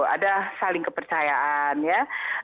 ada saling kepercayaan ya